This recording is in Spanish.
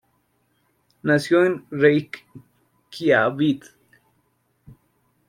Nació en Reikiavik.